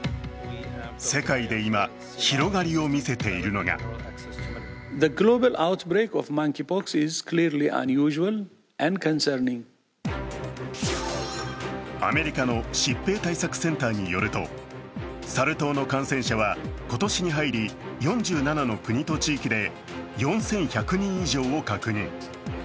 世界で今、広がりを見せているのがアメリカの疾病対策センターによると、サル痘の感染者は今年に入り４７の国と地域で４１００人以上を確認。